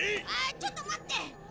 ああちょっと待って！